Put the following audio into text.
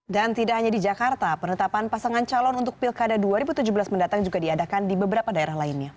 dan tidak hanya di jakarta penetapan pasangan calon untuk pilkada dua ribu tujuh belas mendatang juga diadakan di beberapa daerah lainnya